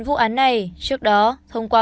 vụ án này trước đó thông qua